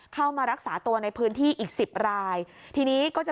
เข้ามารักษาตัวในพื้นที่อีกสิบรายทีนี้ก็จะ